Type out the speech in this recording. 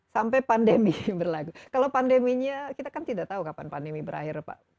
sampai pandemi berlaku kalau pandeminya kita kan tidak tahu kapan pandemi berakhir pak